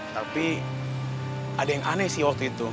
tapi ada yang aneh sih waktu itu